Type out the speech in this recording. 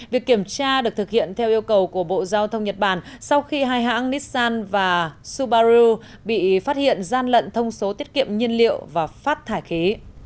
việc kiểm tra được thực hiện theo yêu cầu của bộ giao thông nhật bản sau khi hai hãng nissan và subaru bị phát hiện gian lận thông số tiết kiệm nhiên liệu và phát thải khí